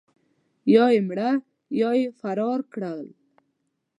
یا یې مړه او یا یې فرار کړل.